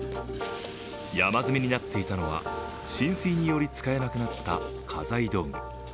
山積みになっていたのは浸水により使えなくなった家財道具。